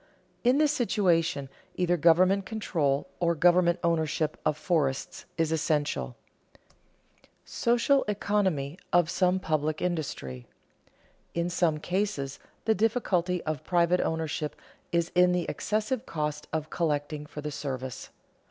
In this situation either government control or government ownership of forests is essential. [Sidenote: Social economy of some public industry] In some cases the difficulty of private ownership is in the excessive cost of collecting for the service.